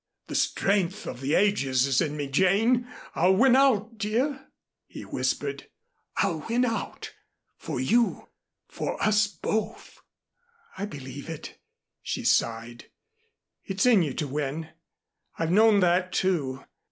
The strength of the ages is in me, Jane. I'll win out, dear," he whispered. "I'll win out. For you for us both." "I believe it," she sighed. "It's in you to win. I've known that, too.